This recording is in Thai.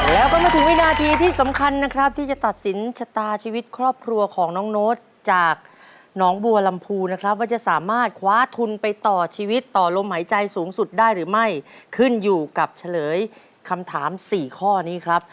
แล้วก็มาถึงวินาทีที่สำคัญนะครับที่จะตัดสินชะตาชีวิตครอบครัวของน้องโน้ตจากหนองบัวลำพูนะครับว่าจะสามารถคว้าทุนไปต่อชีวิตต่อลมหายใจสูงสุดได้หรือไม่ขึ้นอยู่กับเฉลยคำถามสี่ข้อนี้ครับ